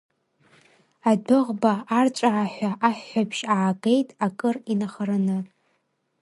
Адәыӷба арҵәааҳәа аҳәҳәабжь аагеит, акыр инахараны.